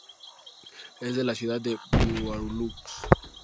Es de la ciudad de Guarulhos.